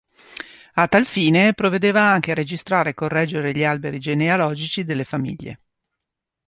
A tal fine provvedeva anche a registrare e correggere gli alberi genealogici delle famiglie.